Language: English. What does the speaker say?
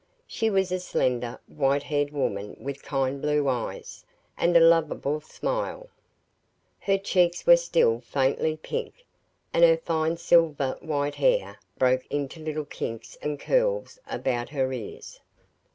She was a slender, white haired woman with kind blue eyes, and a lovable smile. Her cheeks were still faintly pink, and her fine silver white hair broke into little kinks and curls about her ears.